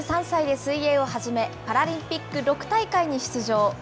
２３歳で水泳を始め、パラリンピック６大会に出場。